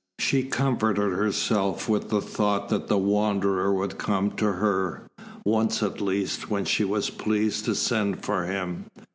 She comforted herself with the thought that the Wanderer would come to her, once at least, when she was pleased to send for him.